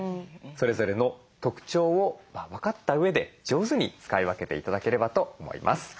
それぞれの特徴を分かったうえで上手に使い分けて頂ければと思います。